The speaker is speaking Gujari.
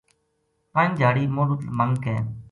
پنج دھیاڑی مہلت منگ کے